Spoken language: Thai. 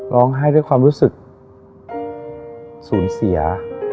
ด้วยความรู้สึกสูญเสีย